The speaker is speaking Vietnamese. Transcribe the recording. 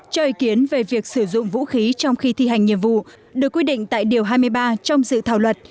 cho ý kiến về việc sử dụng vũ khí trong khi thi hành nhiệm vụ được quy định tại điều hai mươi ba trong dự thảo luật